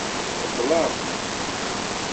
Beṭṭleɣ.